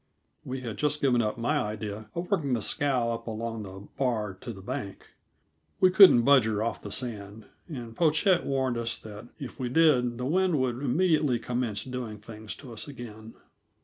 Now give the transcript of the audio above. We had just given up my idea of working the scow up along the bar to the bank. We couldn't budge her off the sand, and Pochette warned us that if we did the wind would immediately commence doing things to us again.